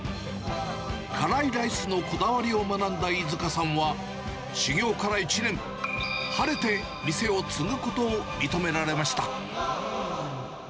辛来飯のこだわりを学んだ飯塚さんは、修業から１年、晴れて店を継ぐことを認められました。